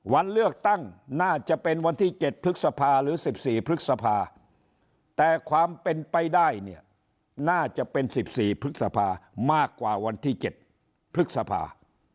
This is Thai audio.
วันเลือกตั้งน่าจะเป็นวันที่๗พฤษภาหรือ๑๔พฤษภาแต่ความเป็นไปได้เนี่ยน่าจะเป็น๑๔พฤษภามากกว่าวันที่๗พฤษภา